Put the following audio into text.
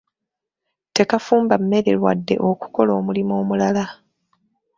Tekafumba mmere wadde okukola omulimu omulala.